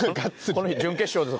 「この日準決勝です」